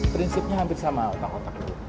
prinsipnya hampir sama otak otak